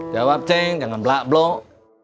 jawab ceng jangan belak blok